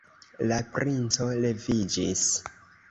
La princo leviĝis.